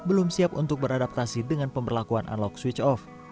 belum siap untuk beradaptasi dengan pemberlakuan analog switch off